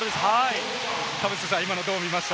田臥さん、今のどう見ました？